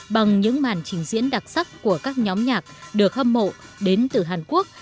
bằng những màn trình diễn đặc sắc của các nhóm nhạc được hâm mộ đến từ hàn quốc